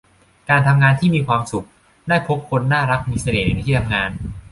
การทำงานที่มีความสุข ได้พบคนน่ารักมีเสน่ห์ในที่ทำงาน